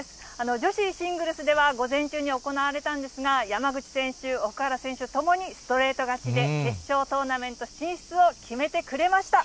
女子シングルスでは午前中に行われたんですが、山口選手、奥原選手ともにストレート勝ちで、決勝トーナメント進出を決めてくれました。